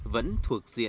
vẫn là một bước phát triển